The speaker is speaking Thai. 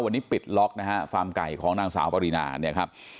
วันนี้ปิดล็อกฟาร์มไก่ของนางสาวปารินานนะครับ